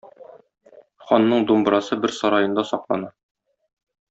Ханның думбрасы бер сараенда саклана.